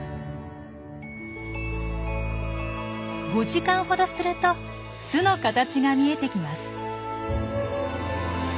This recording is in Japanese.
５時間ほどすると巣の形が見えてきます。